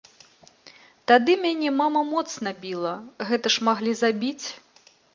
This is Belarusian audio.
Тады мяне мама моцна біла, гэта ж маглі забіць.